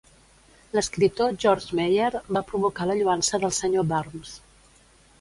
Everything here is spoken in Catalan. L'escriptor George Meyer va provocar la lloança del senyor Burns.